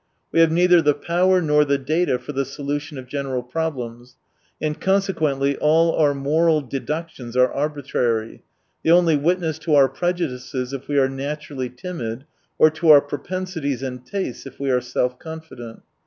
We have neither the power nor the data for the solution of general problems, and consequently all our moral deductions are arbitrary, they only witness to our prejudices if we are naturally timid, or to our pro pensities and tastes if we are self confident.